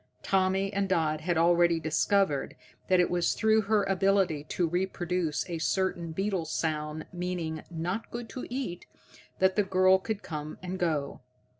Tommy and Dodd had already discovered that it was through her ability to reproduce a certain beetle sound meaning "not good to eat" that the girl could come and go.